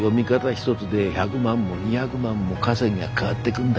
一づで１００万も２００万も稼ぎが変わってくんだよ。